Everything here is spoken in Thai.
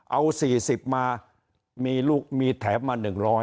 เอา๔๐มามีแถบมา๑๐๐